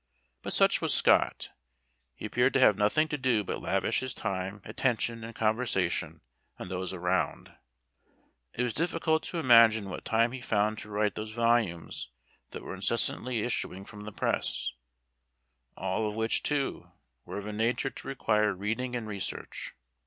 But such was Scott he appeared to have nothing to do but lavish his time, attention, and conversation on those around. It was difficult to imagine what time he found to write those volumes that were incessantly issuing from the press; all of which, too, were of a nature to require reading and research.